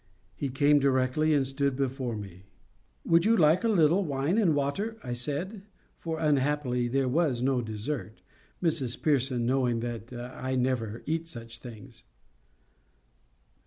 He came directly and stood before me. "Would you like a little wine and water?" I said; for unhappily there was no dessert, Mrs Pearson knowing that I never eat such things.